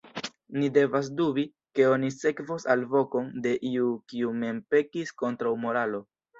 Ni devas dubi, ke oni sekvos alvokon de iu, kiu mem pekis kontraŭ moralo.